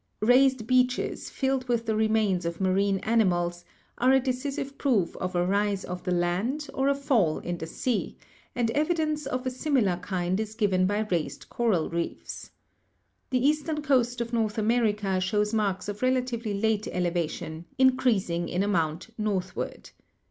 'Raised beaches,' filled with the remains of marine ani mals, are a decisive proof of a rise of the land, or a fall in the sea, and evidence of a similar kind is given by raised coral reefs. The eastern coast of North America shows marks of relatively late elevation, increasing in amount northward.